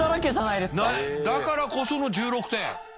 だからこその１６点。